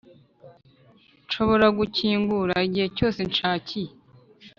nshobora gukingura igihe cyose nshakiye,